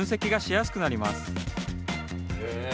へえ。